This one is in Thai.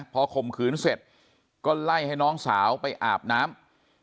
พอข่มขืนเสร็จก็ไล่ให้น้องสาวไปอาบน้ำ